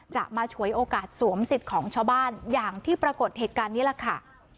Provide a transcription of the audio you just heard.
มาฉวยโอกาสสวมสิทธิ์ของชาวบ้านอย่างที่ปรากฏเหตุการณ์นี้แหละค่ะ